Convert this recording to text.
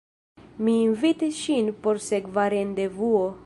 Mi invitis ŝin por sekva rendevuo.